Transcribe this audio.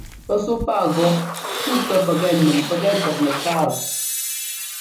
Pɛsúu pá gɔ́ pʉ́ʉ tɔ́ pɛkɛ nʉŋ pɛkɛ tsɛt nɛtsáatɛ.